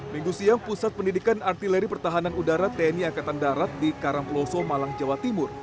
minggu siang pusat pendidikan artileri pertahanan udara tni angkatan darat di karamploso malang jawa timur